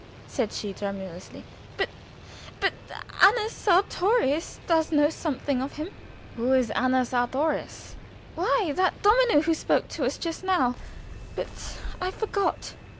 said she, tremulously. "But but Anna Sartorius does know something of him." "Who is Anna Sartorius?" "Why, that domino who spoke to us just now. But I forgot.